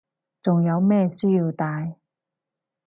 仲有咩需要戴